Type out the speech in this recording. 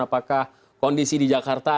apakah kondisi di jakarta akan tercantum